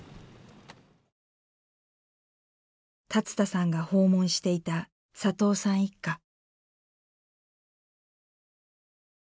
龍田さんが訪問していた佐藤さん一家。